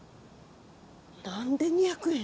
何で２００円？